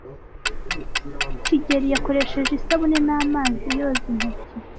kigeli yakoresheje isabune n'amazi yoza intoki.